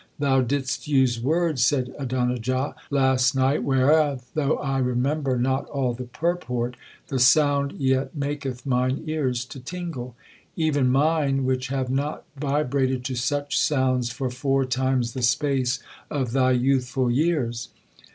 'Thou didst use words,' said Adonijah, 'last night, whereof, though I remember not all the purport, the sound yet maketh mine ears to tingle; even mine, which have not vibrated to such sounds for four times the space of thy youthful years.